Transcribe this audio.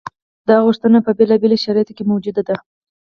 دا غوښتنه په بېلابېلو شرایطو کې موجوده ده.